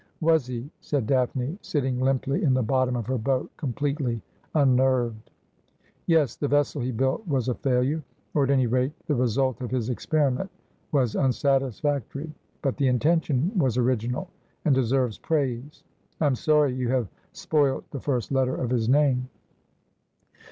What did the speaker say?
' Was he ?' said Daphne, sitting limply in the bottom of her boat, completely unnerved. ' Yes ; the vessel he built was a failure, or at any rate the result of his experiment was unsatisfactory, but the intention was original, and deserves praise. I am sorry you have spoilt the first letter of his name.'